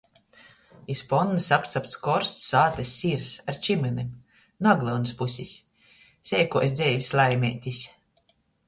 Iz ponnys apcapts korsts sātys sīrs ar čymynim nu Aglyunis pusis. Seikuos dzeivis laimeitis.